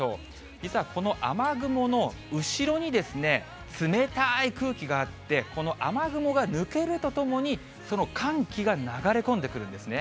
実はこの雨雲の後ろにですね、冷たい空気があって、この雨雲が抜けるとともに、その寒気が流れ込んでくるんですね。